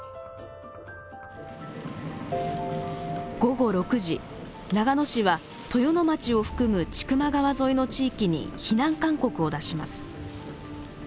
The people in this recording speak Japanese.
午後６時長野市は豊野町を含む千曲川沿いの地域に「避難勧告」を出します。